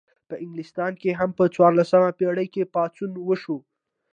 په انګلستان کې هم په څوارلسمه پیړۍ کې پاڅون وشو.